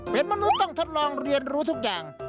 เป็นมนุษย์ต้องทดลองเรียนรู้ทุกอย่าง